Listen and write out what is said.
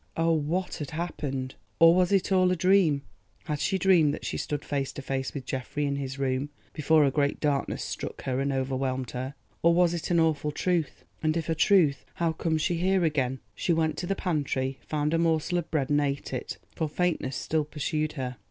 Oh; what had happened! Or was it all a dream? Had she dreamed that she stood face to face with Geoffrey in his room before a great darkness struck her and overwhelmed her? Or was it an awful truth, and if a truth, how came she here again? She went to the pantry, found a morsel of bread and ate it, for faintness still pursued her.